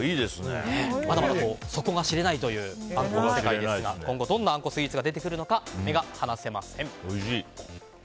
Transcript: まだまだ底が知れないというあんこの世界ですが今後、どんなあんこスイーツが出てくるのか目が離せません。